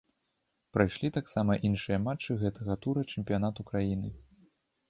Прайшлі таксама іншыя матчы гэтага тура чэмпіянату краіны.